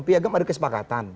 piagam ada kesepakatan